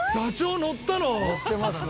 乗ってますね。